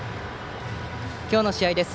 今日の試合です。